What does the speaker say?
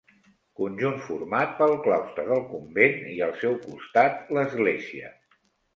Conjunt format pel claustre del convent i al seu costat l'església.